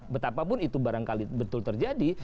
betapapun itu barangkali betul terjadi